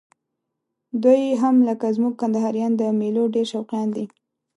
دوی هم لکه زموږ کندهاریان د میلو ډېر شوقیان دي.